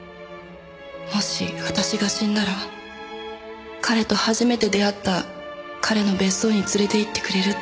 「もし私が死んだら彼と初めて出会った彼の別荘につれていってくれるって」